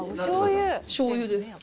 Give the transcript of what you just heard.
しょうゆです。